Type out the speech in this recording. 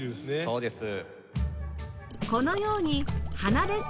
そうです。